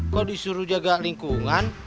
kok disuruh jaga lingkungan